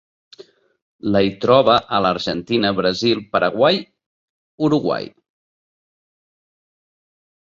La hi troba a l'Argentina, Brasil, Paraguai, Uruguai.